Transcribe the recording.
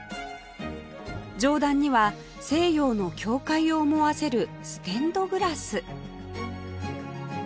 上段には西洋の教会を思わせるステンドグラス